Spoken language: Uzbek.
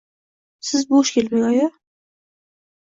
Siz bo`sh kelmang, oyi